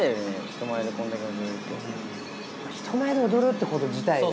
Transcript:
人前で踊るってこと自体が。